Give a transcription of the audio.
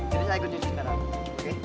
jadi saya ikut nyusih sekarang oke